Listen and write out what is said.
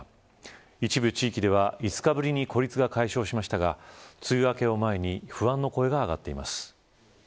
一部地域では５日ぶりに孤立が解消しましたが梅雨明けを前に不安の声が上がっています。